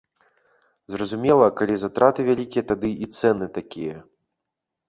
Зразумела, калі затраты вялікія, тады і цэны такія.